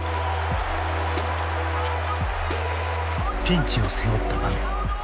ピンチを背負った場面。